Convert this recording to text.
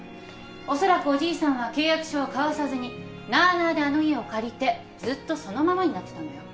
おそらくおじいさんは契約書を交わさずになあなあであの家を借りてずっとそのままになってたのよ。